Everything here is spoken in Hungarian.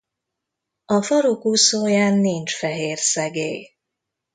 A farokúszóján nincs fehér szegély.